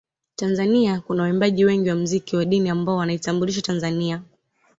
Tanzania kuna waimbaji wengi wa mziki wa dini ambao wanaitambulisha Tanzania